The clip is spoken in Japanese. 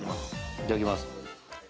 いただきます。